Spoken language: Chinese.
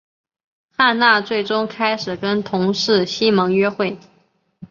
汉娜最终开始跟同事西蒙约会。